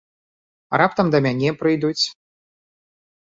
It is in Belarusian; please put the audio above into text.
А раптам да мяне прыйдуць?